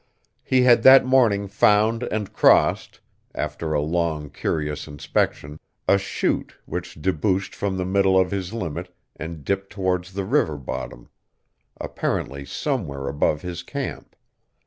He had that morning found and crossed, after a long, curious inspection, a chute which debouched from the middle of his limit and dipped towards the river bottom apparently somewhere above his camp.